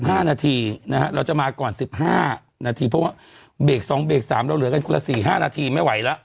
ห้านาทีนะฮะเราจะมาก่อนสิบห้านาทีเพราะว่าเบรกสองเบรกสามเราเหลือกันคนละสี่ห้านาทีไม่ไหวแล้ว